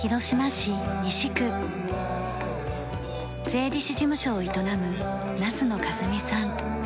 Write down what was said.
税理士事務所を営む奈須野和美さん。